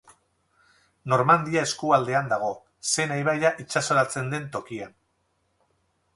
Normandia eskualdean dago, Sena ibaia itsasoratzen den tokian.